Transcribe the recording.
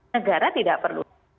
negara tidak perlu